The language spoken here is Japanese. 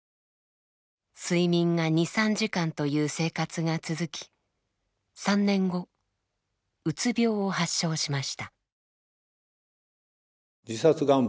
睡眠が２３時間という生活が続き３年後うつ病を発症しました。